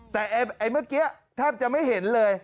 แถบจะไม่เห็นเลย